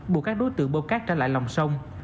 buộc các đối tượng bộ cát trả lại lòng sông